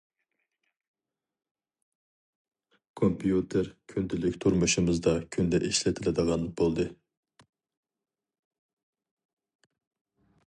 كومپيۇتېر كۈندىلىك تۇرمۇشىمىزدا كۈندە ئىشلىتىلىدىغان بولدى.